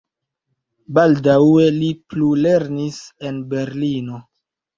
Baldaŭe li plulernis en Berlino.